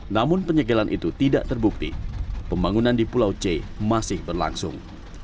namun penyegelan itu tidak terbukti pembangunan di pulau c masih berlangsung